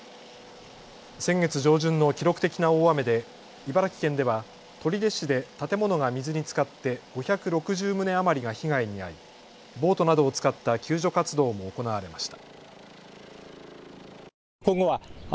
先月上旬の記録的な大雨で茨城県では取手市で建物が水につかって５６０棟余りが被害に遭い、ボートなどを使った救助活動も行われました。